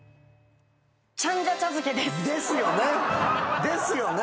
チャンジャ茶漬けです。ですよね。